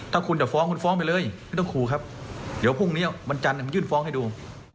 ถ้าคุณจะฟ้องคุณฟ้องไปเลยไม่ต้องขู่ครับเดี๋ยวพรุ่งนี้วันจันทร์มันยื่นฟ้องให้ดู